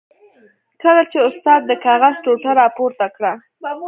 کله چې استاد د کاغذ ټوټه را پورته کړه.